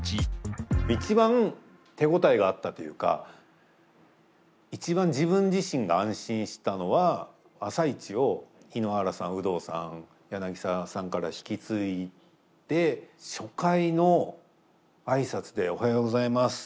一番手応えがあったというか一番自分自身が安心したのは「あさイチ」を井ノ原さん有働さん柳澤さんから引き継いで初回の挨拶で「おはようございます。